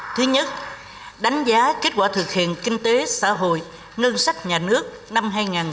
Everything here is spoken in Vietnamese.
thứ nhất đánh giá kết quả thực hiện kinh tế xã hội ngân sách nhà nước năm hai nghìn một mươi tám